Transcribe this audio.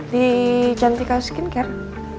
di jantika skincare